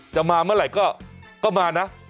จะมาเมื่อไหร่ก็มานะ